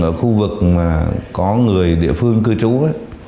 ở khu vực mà có người địa phương cư trú